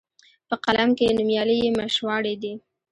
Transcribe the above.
په قلم کښي نومیالي یې مشواڼي دي